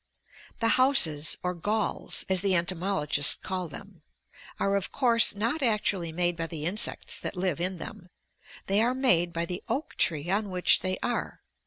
The houses, or galls, as the entomologists call them, are of course not actually made by the insects that live in them; they are made by the oak tree on which they are.